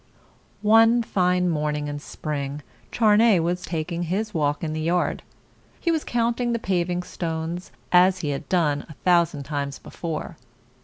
One fine morning in spring, Char ney was taking his walk in the yard. He was counting the paving stones, as he had done a thousand times before.